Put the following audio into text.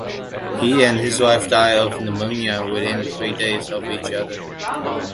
He and his wife died of pneumonia within three days of each other.